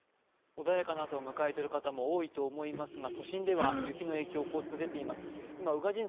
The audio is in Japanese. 穏やかな朝を迎えている方も多いと思いますが、都心では雪の影響、交通、出ています。